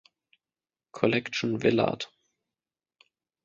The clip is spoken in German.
Collection Villard